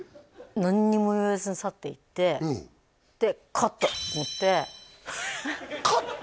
何も言わずに去っていってで勝ったと思って「勝った」？